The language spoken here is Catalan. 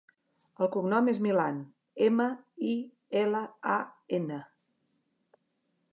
El cognom és Milan: ema, i, ela, a, ena.